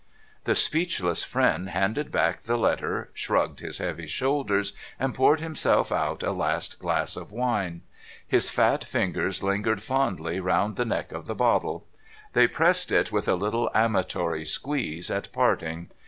The speechless friend handed back the letter, shrugged his heavy shoulders, and poured himself out a last glass of wine. His fat fingers lingered fondly round the neck of the bottle. They pressed it with a little amatory squeeze at parting.